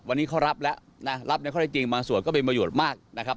วันนี้เขารับแล้วนะรับในข้อได้จริงบางส่วนก็เป็นประโยชน์มากนะครับ